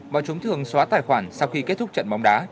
mà chúng thường xóa tài khoản sau khi kết thúc trận bóng đá